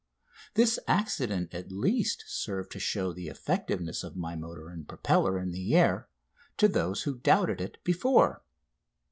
This accident at least served to show the effectiveness of my motor and propeller in the air to those who doubted it before.